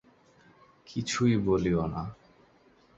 কিছুই বলিয়ো না।